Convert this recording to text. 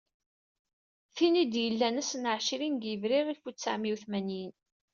Tin i d-yellan ass n εecrin deg yebrir alef u tesεemya u tmanyin.